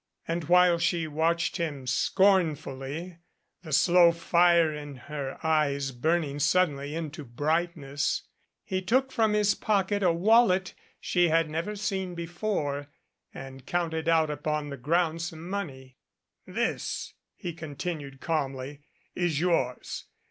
And while she watched him scornfully, the slow fire in her eyes burning suddenly into brightness, he took from his pocket a wallet she had never seen before, and counted out upon the ground some money. "This," he continued calmly, "is yours.